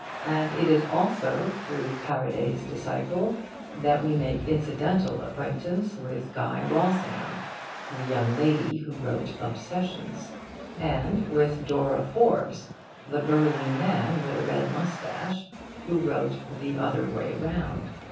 And it is also through Paraday's disciple that we make incidental acquaintance with Guy Walsingham, the young lady who wrote OBSESSIONS, and with Dora Forbes, the burly man with a red moustache, who wrote THE OTHER WAY ROUND.